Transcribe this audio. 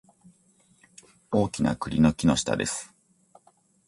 大きな栗の木の下です